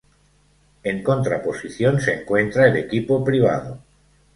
En contraposición se encuentra el equipo privado.